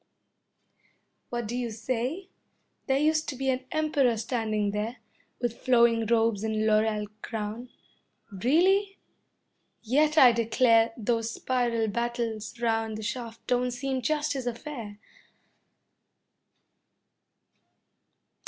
What do you say? There used to be an Emperor standing there, With flowing robes and laurel crown. Really? Yet I declare Those spiral battles round the shaft don't seem just his affair.